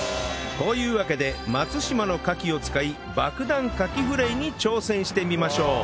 というわけで松島のカキを使い爆弾カキフライに挑戦してみましょう